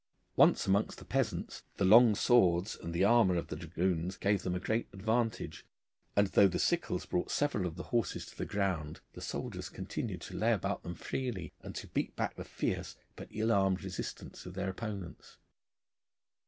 Once amongst the peasants, the long swords and the armour of the dragoons gave them a great advantage, and though the sickles brought several of the horses to the ground the soldiers continued to lay about them freely, and to beat back the fierce but ill armed resistance of their opponents.